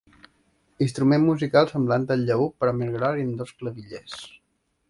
Instrument musical semblant al llaüt, però més gros i amb dos clavillers.